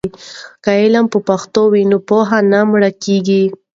که علم په پښتو وي نو پوهه نه مړکېږي.